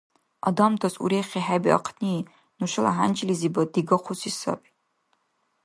Адамтас урехи хӏебиахъни – нушала хӏянчилизибад дигахъуси саби